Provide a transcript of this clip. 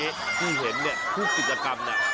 เอาอย่างนี้ที่เห็นผู้กิจกรรมนี่